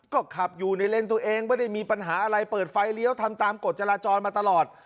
ก็ขับอยู่ในเลนส์ตัวเองไม่ได้มีปัญหาอะไรเปิดไฟเลี้ยวทำตามกฎจราจรมาตลอด